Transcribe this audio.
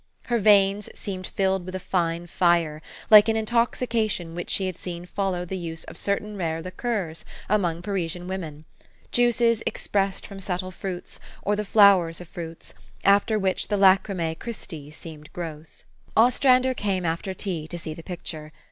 Her veins seemed filled with a fine fire, like an intoxication which she had seen follow the use of certain rare liqueurs among Parisian women, juices expressed from subtle fruits, or the flowers of fruits, after which the LachrymaB Christ! seemed gross. Ostrander came after tea to see the picture.